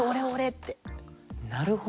なるほど！